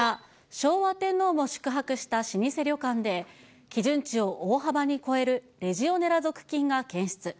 昭和天皇も宿泊した老舗旅館で、基準値を大幅に超えるレジオネラ属菌が続出。